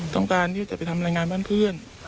ต้องการที่จะไปทำรายงานบ้านเพื่อน